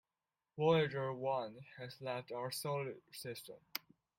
Voyager One has left our solar system.